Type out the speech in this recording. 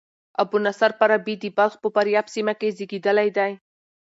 ابو نصر فارابي د بلخ په فاریاب سیمه کښي زېږېدلى دئ.